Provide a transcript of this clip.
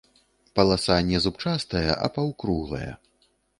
Паласа не зубчастая, а паўкруглая.